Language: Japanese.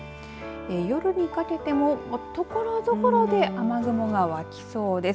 夜にかけてもところどころで雨雲が湧きそうです。